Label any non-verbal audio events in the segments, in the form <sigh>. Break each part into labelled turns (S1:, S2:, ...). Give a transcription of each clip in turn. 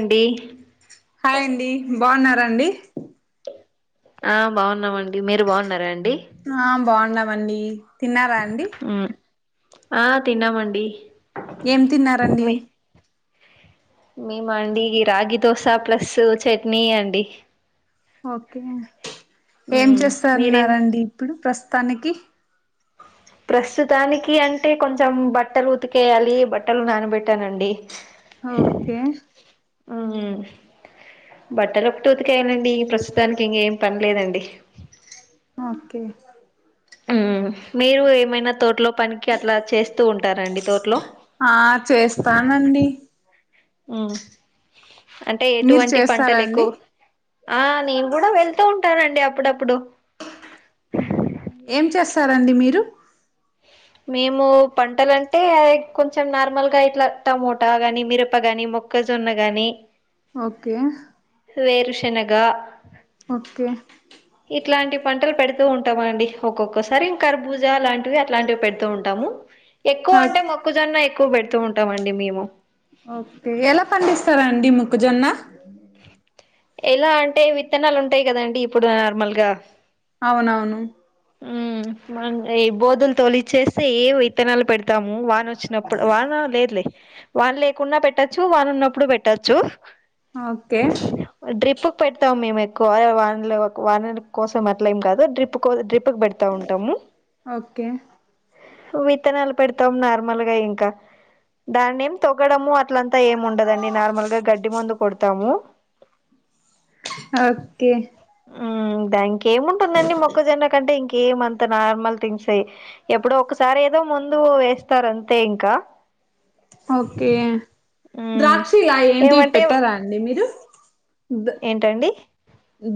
S1: అండీ
S2: హాయండి బావున్నరా అండి
S1: ఆ బావున్నామండి మీరు బావున్నరా అండి
S2: హా బ్వాన్నమండి తిన్నారా అండి
S1: ఆ తిన్నామండి
S2: ఏం తిన్నారండి
S1: మేమ అండి రాగి దోశ ప్లస్సు చెట్నీ అండి
S2: ఓకే ఏం
S1: మీరేం
S2: చేస్తన్నరండి ఇప్పుడు ప్రస్తానికి
S1: ప్రస్తుతానికి అంటే కొంచం బట్టలు ఉతికేయాలి బట్టలు నానబెట్యానండి
S2: హఓకే
S1: ఆ బట్టలొక్కటే ఉతికేయాలండి ప్రస్తుతానికి ఇంగేం పన్లేదండి
S2: ఓకే
S1: ఊ మీరు ఏమైనా తోట్లో పనికి అట్లా చేస్తూ ఉంటారా అండి తోట్లో
S2: అండి
S1: ఉ అంటే
S2: మీరు
S1: ఎటువంటి పంటలెక్కు
S2: చేస్తారండి
S1: ఆ నేను గుడ వెళ్తూ ఉంటానండి అప్పుడప్పుడు
S2: ఏం చేస్తారండి మీరు
S1: మేమూ పంటలంటే ఎక్ కొంచం నార్మల్గా ఇట్ల టమోటా గాని మిరప గాని మొ క్కజొన్న గాని
S2: ఓక్కే
S1: వేరుశనగా
S2: ఒక్కే
S1: ఇట్లాంటి పంటలు పెడుతూ ఉంటామండి ఒక్కొక్కసారి ఇం కర్బూజ లాంటివి అట్లాంటివి పెడుతూ ఉంటాము ఎక్కువంటే మొక్కజొన్న ఎక్కువ పెడుతూ ఉంటామండి మేము
S2: ఓకే ఎలా పండిస్తరండి ముక్క జొన్న
S1: ఎలా అంటే విత్తనాలుంటాయి గదండి ఇప్పుడు నార్మల్ గా
S2: అవునవును
S1: ఊ మన్నె ఏ బోదులు తోలిచ్చేస్తే ఏ విత్తనాలు పెడ్ తాము వానొచ్చినప్పుడు వాన లేద్లే వాన్ లేకున్నా పెట్టచ్చు వానున్నప్పుడు బెట్టచ్చు
S2: ఆక్కే
S1: డ్రిప్పుక్ పెడ్తాం మేమెక్కువ వాండ్లు వానురి కోసం అట్లా ఏం కాదు డ్రిప్ కో డ్రిప్ ప్పకు బెడతా ఉంటము
S2: ఓకే
S1: విత్తనాలు పెడతాం నార్మల్ గా ఇంక దాన్నేమ్ తొగడము అట్లంతా ఏం ఉండదండి నార్మల్ గా గడ్డి మొందు కొడుతాము
S2: ఓకే
S1: ఉమ్ దానికేముంటుందండి మొక్కజొన్న కంటే ఇంకేమం త నార్మల్ థింగ్స్ అయి ఎప్పుడో ఒకసారి ఏదో ముందు వేస్తారు అంతే ఇంకా
S2: ఓకే
S1: ఉమ్
S2: ద్రాక్షిలా ఏంటి
S1: ఏమంటే
S2: పెట్టారా అండి మీరు ద
S1: ఏంటండి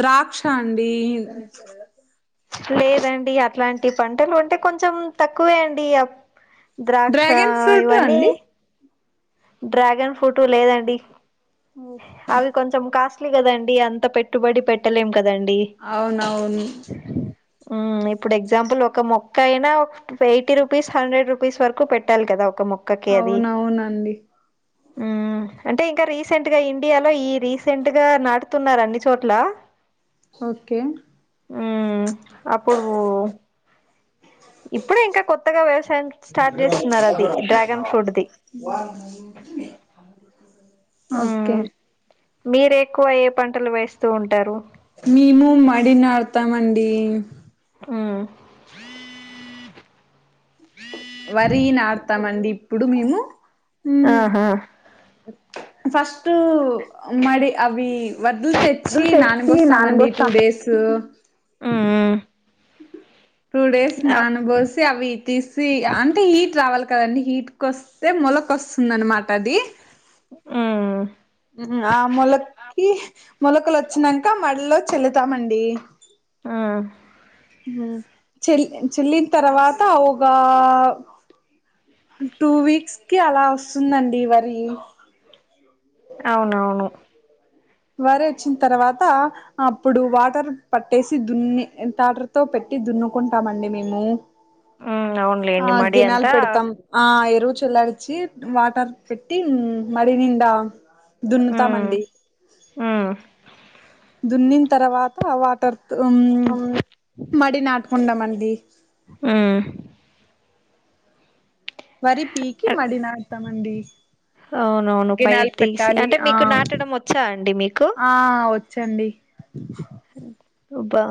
S2: ద్రాక్షా అండి
S1: లేదండి అట్లాంటి పంటలు ఉంటే కొంచెం తక్కువే అండి ద్రాక్ష
S2: డ్రాగన్ ఫ్రూట్
S1: ఇవన్నీ
S2: అండి
S1: డ్రాగన్ ఫ్రూట్ లేదండి
S2: ఓకే
S1: అవి కొంచెం కాస్ట్లీకదండి అంత పెట్టుబడి పెట్టలేం కదండి
S2: అవునవును
S1: ఉమ్ ఇప్పుడు ఎగ్జాంపుల్ ఒక మొక్క అయినా ఒక్ ఎయిటీ రుపీస్, హండ్రెడ్ రూపీస్ వరకు పెట్టాలి కదా ఒక మొక్
S2: అవునవునండి
S1: ఉమ్ అంటే ఇంకా రీసెంట్ గా ఇండియాలో ఈ రీసెంట్ గా నాటుతున్నారు అన్ని చోట్ల
S2: ఓకే
S1: ఉమ్ అప్పుడు పో ఇప్పుడే ఇంక కొత్తగా వ్యవసాయం స్టార్ట్ జేస్తున్నారది డ్రాగన్ ఫ్రూట్ ది
S2: ఓకే
S1: మ్మ్ మీరు ఎక్కువ ఏ పంటలు వేస్తూ ఉంటారు
S2: మేము మడి నాడ్తామండి
S1: ఉమ్
S2: వరీ నాట్తామండి ఇప్పుడు మేము మ్
S1: ఆహా
S2: ఫస్ట్ మ్ మడి అవి వడ్డుల్ తె
S1: లు
S2: చ్చి నాన
S1: తెచ్చి
S2: బోస్తామండి టూ
S1: నానబోస్తాం
S2: డేస్
S1: మ్మ్
S2: టూ డేస్
S1: ఆ
S2: నానబోసి అవి తీసి అంటే హీట్ రావాలి కదండి హీట్ కోస్ తే మొలకొస్తుందనమాట అది
S1: ఉమ్
S2: ఆ మొలక్కి మొలకలొచ్చినంక మడిల్లొ చళ్ళుతామండి
S1: ఆ
S2: చెల్ చెల్లిన్తర్వాత ఒగా టూ వీక్స్ కి అలా వస్తుందండి వరి
S1: అవునవును
S2: వరి వచ్చిన్తర్వాత అప్పుడు వాటర్ పట్టేసి దున్ని టాటర్ తో పెట్టి దున్నుకుంటామండి మేము
S1: మ్మ్
S2: ఆ
S1: అవునులేండి మడి
S2: గినాల్
S1: అంతా
S2: పెడతం ఆ ఎరువు చెల్లారిచ్చి వాటర్ పెట్టి మడి నిండా దున్నుతామండి
S1: ఉమ్
S2: దున్నిన్తర్వాత వాటర్ తో ఉమ్ మడి నాటుకుంటం అండి
S1: ఉమ్
S2: వరి పీకి మడి నాటుతామండి
S1: అవునవును
S2: గినాలు
S1: పైరు తీసి
S2: పెట్టాలి
S1: అంటే
S2: ఆ
S1: మీకు నాటడం వచ్చా అండి మీకు
S2: ఆ ఒచ్ చండీ
S1: అబ్బా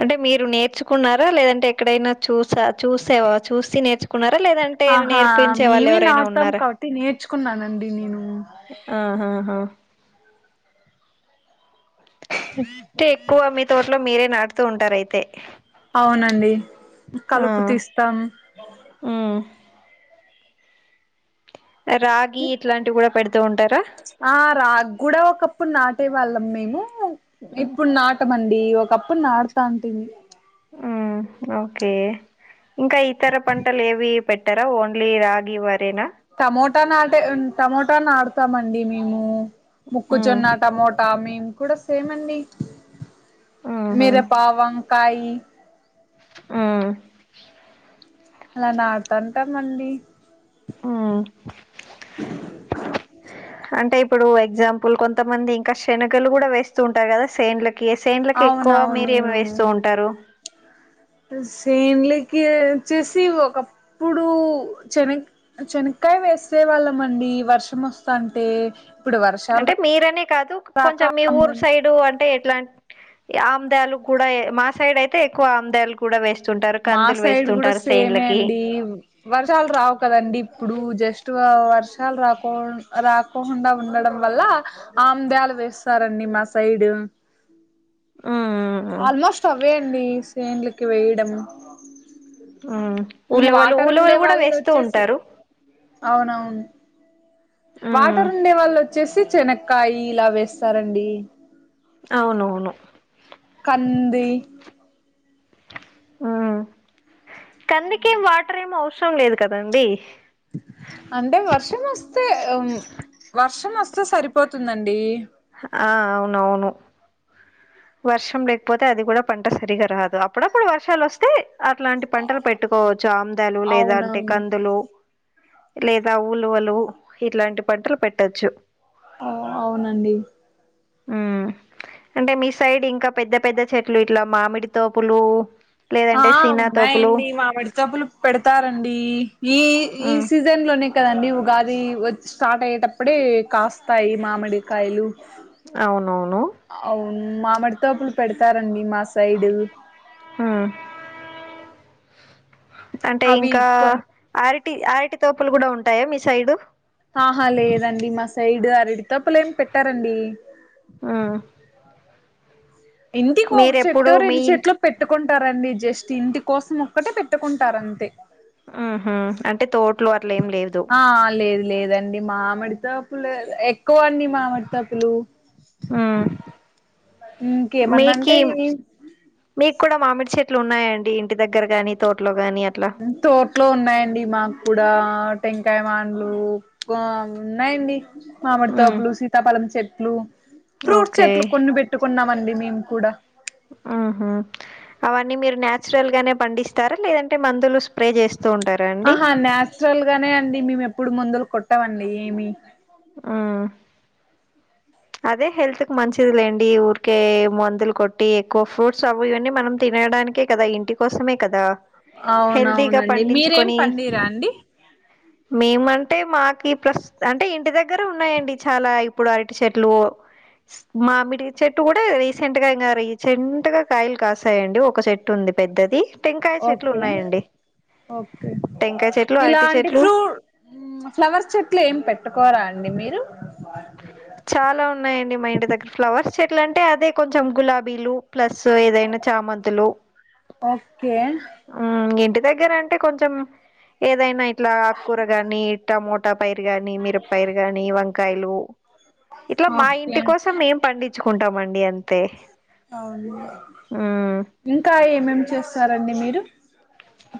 S1: అంటే మీరు నేర్చుకున్నారా లేదంటే ఎక్కడైనా చూసా చూసేవా చూసి నేర్చుకున్నారా? లేదంటే
S2: ఆహా
S1: నేర్పించే వాళ్ళు
S2: మేమే
S1: ఎవరైనా
S2: నాటుతాం
S1: ఉన్నారా
S2: కాబట్టి నేర్చుకున్నానండి నేను.
S1: ఆహా! హా అంటే ఎక్కువ మీ తోటలో మీరే నాటుతూ ఉంటారయితే.
S2: అవునండి కలుపు తీస్తాం.
S1: మ్ రాగి ఇట్లాంటివి కూడా పెడుతూ ఉంటారా?
S2: ఆ రాగి కూడా ఒకప్పుడు నాటే వాళ్ళం మేము.
S1: ఉమ్
S2: ఇప్పుడు నాటమని అది ఒకప్పుడు నాటుతాంటిమి.
S1: మ్ ఓకే. ఇంకా ఇతర పంటలు ఏవి పెట్ ర ఓన్లీ రాగి, వరేనా
S2: టమోటా నాటే టమోటా నాటుతామండి మేము.
S1: ఉమ్
S2: మొక్కజొన్న, టమోటా మేము కూడా సేమండి
S1: ఉహు
S2: మిరపా, వంకాయ
S1: మ్
S2: అలా నాటుతాంటామండి.
S1: ఉమ్ అంటే ఇప్పుడు ఎగ్జాంపుల్ కొంతమంది ఇంకా శనగలు కూడా వేస్తూ ఉంటారు కదా, సేండ్ల కి సేండ్లకి ఎక్కువ మీర
S2: అవునవును
S1: ఏమి వేస్తూ ఉంటారు?
S2: సేన్లకి వచ్చేసి ఒకప్పుడు చెనికా చెనికాయ వేసే వాళ్ళంమండి. వర్షం వస్తా ఉంటే
S1: అంటే మీరనే కాదు కొంచెం మీ ఊరు
S2: అమ్మేం
S1: సైడు అంటే ఎట్లాంటి ఆముదాలు కూడా మా సైడ్ అయితే ఎక్కువ ఆముదాలు. కూడా వేస్తుంటారు.
S2: మా
S1: కందులు
S2: సైడ్ కూడా
S1: వేస్తుంటారు
S2: సేమే
S1: సేన్లకి.
S2: అండి వర్షాలు రావు కదండీ, ఇప్పుడు జస్ట్ వర్షాలు రాకుండా రా రాకుండా ఉండడం వల్ల ఆముదాలు వేస్తారండి మా సైడ్.
S1: ఉమ్
S2: ఆల్మోస్ట్ అవేండి సేన్లకి వేయడం.
S1: ఉమ్
S2: ఇంగ
S1: ఉలవలు
S2: వాటర్ ఉండే
S1: ఉలవలు కూడా
S2: వాళ్ళు
S1: వేస్తూ
S2: వచ్చేసి
S1: ఉంటారు
S2: అవునవును.
S1: ఉమ్
S2: వాటర్ ఉండే వాళ్ళు వచ్చేసి చెనక్ కాయి ఇలా వేస్తారండి.
S1: అవునవును
S2: కంది
S1: ఉ కందికేం వాటర్ ఏం అవసరం లేదు కదండీ.
S2: అంటే వర్షం వస్తే వర్షం వస్తే సరిపోతుందండి.
S1: ఆ అవునవును వర్షం లేకపోతే అది కూడా పంట సరిగా రాదు. అప్పుడప్పుడు వర్షాలు వస్తే అట్లాంటి పంటలు పెట్టుకోవచ్చు. ఆముదాలు లేదంటే
S2: అవునవును
S1: కందులు. లేదా ఉలువలు ఇట్లాంటి పంటలు పెట్టొచ్చు.
S2: ఆ అవునండి
S1: మ్ అంటే మీ సైడ్ ఇంకా పెద్ద పెద్ద చెట్లు ఇట్లా మామిడి తోపులు లేదంటే
S2: ఆ
S1: సీనా తోపులు
S2: ఉన్నాయండి మామిడి తోప్పులు పెడతారండి. ఈ సీజ
S1: ఉమ్
S2: సీజన్ లోనే కదండీ ఉగాది వచ్చే స్టార్ట్ అయ్యేటప్పుడే కాస్తాయి మామిడికాయలు.
S1: అవునవును
S2: అవును మామిడితోటలు పెడతారండి మా సైడు
S1: ఉ అంటే
S2: అవి
S1: ఇంకా
S2: కొ
S1: అరటి అరటి తోటలు కూడా ఉంటాయా మీ సైడు
S2: ఆహా లేదండి మా సైడ్ అరటి తోటలేమి పెట్టారండి
S1: ఆ
S2: ఇంటికి ఒక చెట్టు
S1: మీరెప్పుడు మీ
S2: రెండు
S1: ఇంటి
S2: చెట్లో పెట్టుకుంటారండి జస్ట్ ఇంటి కోసం ఒక్కటే పెట్టుకుంటారు అంతే
S1: ఆహ అంటే తోటలో అట్లే ఏం లేదు
S2: ఆ లేదు లేదండి మామిడి తోపులో ఎక్కువ అండి మామిడి తోపులు
S1: ఆ
S2: ఇంకేమన్నా
S1: మీకి
S2: అంటే
S1: మీకు కూడా మామిడి చెట్లు ఉన్నాయండి ఇంటి దగ్గర గాని తోటలో గాని అట్లా
S2: తోట్లో ఉన్నాయండి మాకు కూడా టెంకాయ మానలు ఉన్నాయండి
S1: ఉమ్
S2: మామిడితోపులు సీతాపలం చెట్లు ఫ్రూట్స్
S1: ఓకే
S2: చెట్లు కొన్ని పెట్టుకున్నామండి మేము కూడా
S1: ఆహ అవన్నీ మీరు నాచురల్ గానే పండిస్తారా లేదంటే మందులు ప్రే చేస్తూ ఉంటారా అండి
S2: ఆహా నాచురల్ గానే అండి మేము ఎప్పుడు ముందులు కొట్టమండి ఏమి
S1: ఆ అదే హెల్త్ కి మంచిది లేండి ఊరికే మందులు కొట్టి ఎక్కువ ఫ్రూట్స్ అమ్మి ఇవన్నీ మనం తినడానికి కాదా ఇంటి కోసమే కాదా హెల్తీగా
S2: అవునవునండి మీరేం
S1: పండించుకొని
S2: పండిరా అండి
S1: మేము అంటే మాకు ప్రస్తుతం అంటే ఇంటి దగ్గర ఉన్నాయండి చాలా ఇప్పుడు అరటి చెట్టు ట్లు మామిడి చెట్టు కూడా రీసెంట్ గా ఇంకా రీసెంట్ గా కాయలు కాసాయండి ఒక చెట్టు ఉంది పెద్దది టెంకాయ చెట్లు
S2: ఓకే
S1: ఉన్నాయండి
S2: ఓకే
S1: టెంకాయ చెట్లు అరటి
S2: ఇలాంటి
S1: చెట్లు
S2: ఫ్రూట్ ఫ్లవర్ చెట్లు ఏం పెట్టుకోరా అండి మీరు
S1: చాలా ఉన్నాయండి మా ఇంటి దగ్గర ఫ్లవర్స్ చెట్ల అంటే అదే కొంచెం గులాబీలు ప్లస్ ఏదైనా చామంతులు
S2: ఓకే
S1: ఇంటి దగ్గర అంటే కొంచెం ఏదైనా ఇట్లా ఆకూర గాని ఇట్ట టమాట పైరు గాని మిరప పైరు గాని వంకాయలు ఇట్లా మా
S2: ఓకే
S1: ఇంటి కోసం మేం పండించుకుంటామండి అంతే
S2: ఉన్న
S1: మ్మ్
S2: ఇంకా ఏమేమి చేస్తారండి మీరు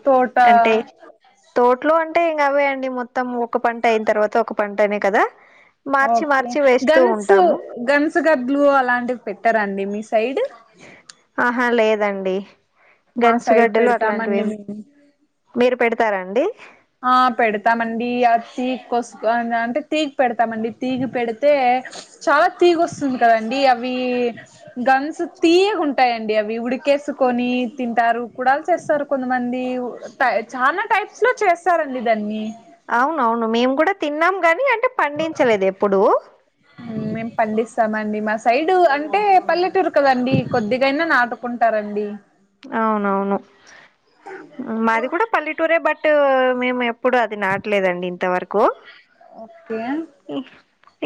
S2: తోట
S1: అంటే తోటలో అంటే ఇంకా అవే అండి మొత్తం ఒక పంట అయిన తర్వాత ఒక పంటనే కదా మార్చి
S2: ఓకే
S1: మార్చి వేస్తూ
S2: గన్స్
S1: ఉంటాము
S2: గన్స్ గడ్లు అలాంటివి పెట్టారండి మీ సైడ్
S1: ఆహా లేదండి
S2: మా
S1: గన్స్
S2: సైడ్
S1: గడ్డలు అలాంటివి
S2: పెడతామండి
S1: ఏమీ
S2: మేము
S1: మీరు పెడతారండి
S2: ఆ పెడతామండి ఆ తీగ కోసు అంటే తీగ పెడతామండి తీగ పెడితే చాలా తీగ వస్తుంది కదా అండి అవి గన్స్ తీయగా ఉంటాయండి అవి ఉడికేసుకొని తింటారు గుడలు చేస్తారు కొంతమంది చాలా టైప్స్ లో చేస్తారండి దాన్ని
S1: అవును అవును మేము కూడా తిన్నాం గానీ అంటే పండించలేదు ఎప్పుడు
S2: మేము పండిస్తామ అండి మా సైడ్ అంటే పల్లెటూరు కదండి కొద్దిగానైనా నాటుకుంటారండి
S1: అవును అవును మాది కూడా పల్లెటూరే బట్ మేము ఎప్ ఇప్పుడు అది నాటలేదండి ఇంతవరకు
S2: ఓకే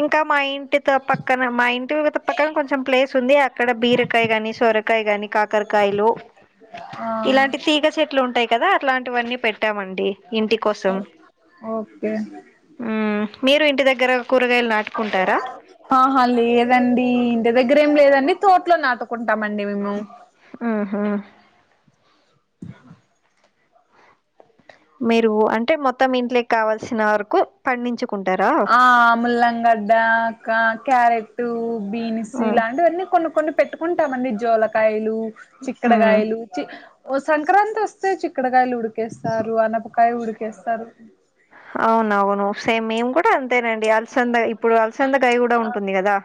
S1: ఇంకా మా ఇంటితో పక్కన మా ఇంటి పక్కన కొంచెం ప్లేస్ ఉంది అక్కడ బీరకాయ కాని సొరకాయ ఉంటాయి కానీ కాకరకాయలు
S2: ఆ
S1: ఇలాంటి తీగ చెట్లు ఉంటాయి కదా అట్లాంటివన్నీ పెట్టామండి ఇంటి
S2: ఓకే
S1: మ్ మీరే ఇంటి దగ్గర కూరగాయలు నాటుకుంటారా
S2: ఆహా లేదండి ఇంటి దగ్గర ఏం లేదండి తోట్లో నాటుకుంటామండి మేము
S1: మ్ హా మీరు అంటే మొత్తం ఇంట్లో కావలసిన వరకు పండించు
S2: ఆ ముల్లంగడ్డ క్యారెట్ బీన్స్
S1: మ్మ్.
S2: ఇలాంటివన్నీ కొన్ని కొన్ని పెట్టు ఉంటామండి జోలకాయలు
S1: మ్మ్.
S2: చిక్కడకాయలు చి ఓ సంక్రాంతి వస్తే చిక్కడకాయలు ఉడికేస్తారు ఆలంకాయ ఉడికేస్తారు
S1: అవునవును సేమ్ మేము కూడా అంతేనండి అలసంద ఇప్పుడు అలసందగాయ కూడా ఉంటుంది కదా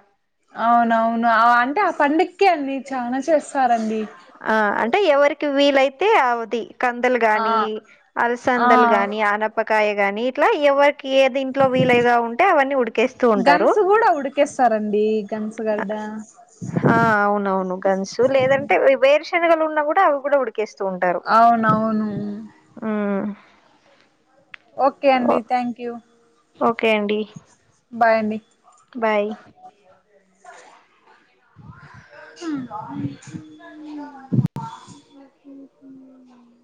S2: అవునవును ఆ అంటే పడుకే అండి చాలా చేస్తారండి
S1: ఆ అంటే ఎవరికి వీలైతే అవాతి కందలు
S2: ఆ
S1: గాని
S2: ఆ
S1: అలసందలు గాని ఆనపకాయ గాని ఇట్లా ఎవరికి ఏది ఇంట్లో వీలగా ఉంటే అవన్నీ ఉడికేస్తూ ఉంటారు
S2: కన్సుగడ్డ
S1: ఆ అవునవును గన్సు లేదంటే వేరు శనగలు ఉన్నా కూడా అవి కూడా ఉ ఎక్కేస్తూ ఉంటారు
S2: అవునవును ఓకే
S1: ఓ
S2: అండి థ్యాంక్ యూ
S1: ఓకే అండి
S2: బై అండి
S1: బాయ్
S2: <inaudible>